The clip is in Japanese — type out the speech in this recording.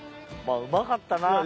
あうまかったな。